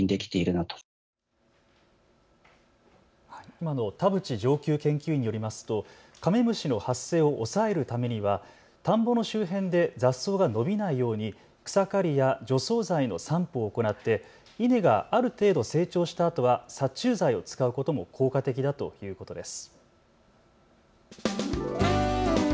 今の田渕上級研究員によりますとカメムシの発生を抑えるためには田んぼの周辺で雑草が伸びないように草刈りや除草剤の散布を行って、稲がある程度成長したあとは殺虫剤を使うことも効果的だということです。